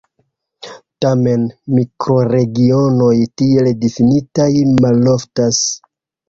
Tamen, mikroregionoj tiel difinitaj maloftas.